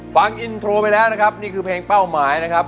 ฟังอินโทรไปแล้วนะครับนี่คือเพลงเป้าหมายนะครับ